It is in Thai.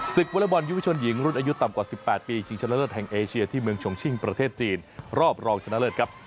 วอเล็กบอลยุวิชนหญิงรุ่นอายุต่ำกว่า๑๘ปีชิงชนะเลิศแห่งเอเชียที่เมืองชงชิงประเทศจีนรอบรองชนะเลิศครับ